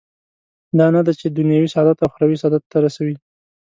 دا نه ده چې دنیوي سعادت اخروي سعادت ته رسوي.